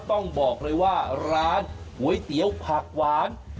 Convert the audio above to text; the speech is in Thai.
ต้องบอกเลยว่าร้านก๋วยเตี๋ยวผักหวาน